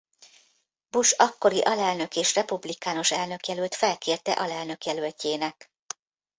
Bush akkori alelnök és republikánus elnökjelölt felkérte alelnök-jelöltjének.